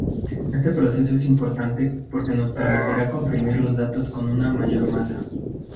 Este proceso es importante porque nos permitirá comprimir los datos con una mayor tasa.